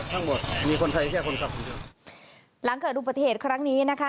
ทั้งหมดมีคนไทยแค่คนกำผู้เกลือหลังเกิดอุปเทศครั้งนี้นะคะ